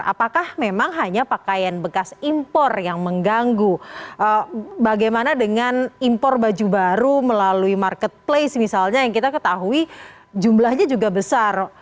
apakah memang hanya pakaian bekas impor yang mengganggu bagaimana dengan impor baju baru melalui marketplace misalnya yang kita ketahui jumlahnya juga besar